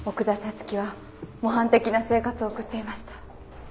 月は模範的な生活を送っていました。